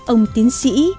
ông tiến sĩ